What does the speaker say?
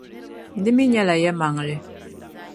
Di mi nyɛla yɛlimaŋli.